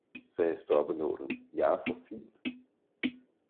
sagde stoppenålen, jeg er for fin!